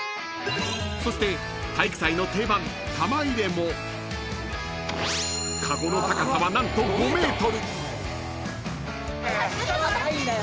［そして体育祭の定番玉入れも籠の高さは何と５ｍ］